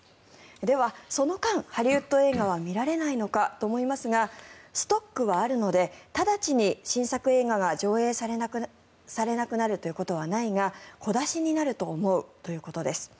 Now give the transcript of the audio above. では、その間、ハリウッド映画は見られないのかと思いますがストックはあるので直ちに新作映画が上映されなくなるということはないが小出しになると思うということです。